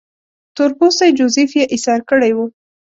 تور پوستی جوزیف یې ایسار کړی وو.